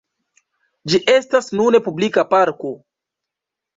Ĝi estas nune publika parko.